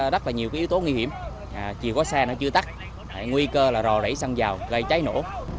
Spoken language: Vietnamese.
rất là nhiều yếu tố nguy hiểm chỉ có xe nó chưa tắt nguy cơ là rò đẩy xăng vào gây cháy nổ